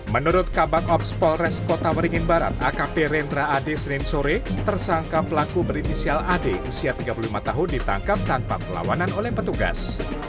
menurut kabak ops polres kota waringin barat akp rendra ad senin sore tersangka pelaku berinisial ad usia tiga puluh lima tahun ditangkap tanpa perlawanan oleh petugas